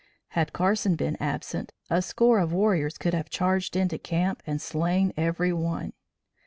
Had Carson been absent a score of warriors could have charged into camp and slain every one.